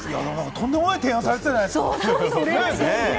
とんでもない提案されてたじゃないですか。